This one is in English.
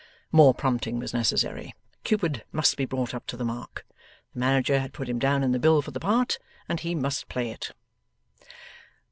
More prompting was necessary. Cupid must be brought up to the mark. The manager had put him down in the bill for the part, and he must play it.